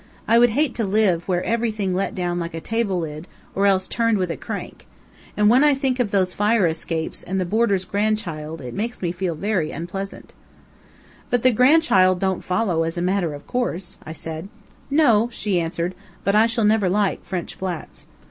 I would hate to live where everything let down like a table lid, or else turned with a crank. And when I think of those fire escapes, and the boarder's grandchild, it makes me feel very unpleasantly." "But the grandchild don't follow as a matter of course," said I. "No," she answered, "but I shall never like French flats."